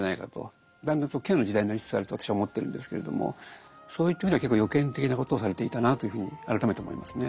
だんだんケアの時代になりつつあると私は思ってるんですけれどもそういった意味では結構予見的なことをされていたなというふうに改めて思いますね。